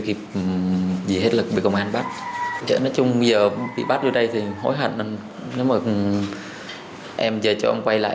kịp gì hết lực bị công an bắt nói chung giờ bị bắt vô đây thì hối hận nên nó mời em về cho ông quay lại